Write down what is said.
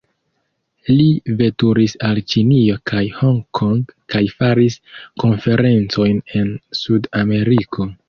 Li veturis al Ĉinio kaj Hong Kong kaj faris konferencojn en Sud-Ameriko.